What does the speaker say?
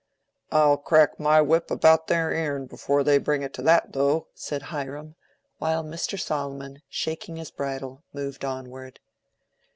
"I'll crack my whip about their ear'n, afore they bring it to that, though," said Hiram, while Mr. Solomon, shaking his bridle, moved onward.